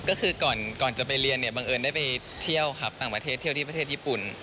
ก็คือก่อนจะไปเรียนเนี่ยบังเอิญได้ไปเที่ยวครับต่างประเทศเที่ยวที่ประเทศญี่ปุ่น